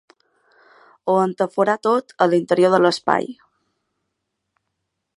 Ho entaforà tot a l'interior de l'espai.